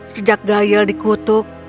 sejak gayel dikutuk